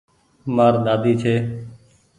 مآر ۮاۮي ڇي۔